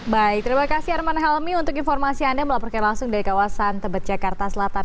baik terima kasih arman helmi untuk informasi anda melaporkan langsung dari kawasan tebet jakarta selatan